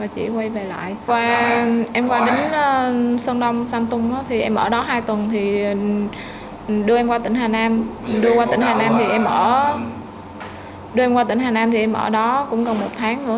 đưa em qua tỉnh hà nam thì em ở đó cũng gần một tháng nữa